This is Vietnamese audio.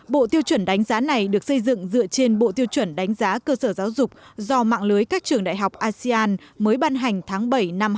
bộ tiêu chuẩn đánh giá này được xây dựng dựa trên bộ tiêu chuẩn đánh giá cơ sở giáo dục do mạng lưới các trường đại học asean mới ban hành tháng bảy năm hai nghìn hai mươi